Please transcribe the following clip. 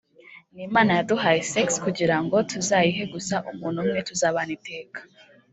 ni imana yaduhaye sex kugirango tuzayihe gusa umuntu umwe tuzabana iteka